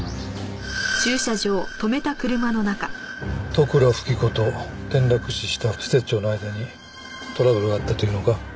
利倉富貴子と転落死した施設長の間にトラブルがあったというのか？